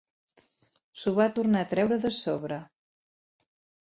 S'ho va tornar a treure de sobre.